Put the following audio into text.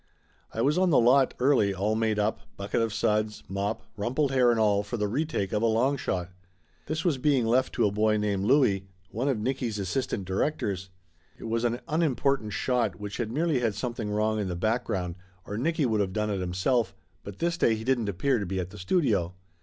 I was on the lot early, all made up, bucket of suds, mop, rumpled hair and all, for the retake of a long shot. This was being left to a boy named Louie, one of Nicky's assistant directors. It was an unimportant shot which had merely had something wrong in the background, or Nicky would of done it himself, but this day he didn't appear to be at the studio.